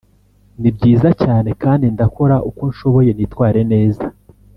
ni byiza cyane kandi ndakora uko nshoboye nitware neza